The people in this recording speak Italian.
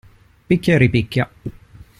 Picchia e ripicchia.